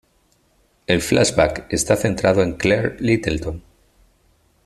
El flashback está centrado en Claire Littleton.